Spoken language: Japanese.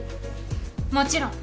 もちろん。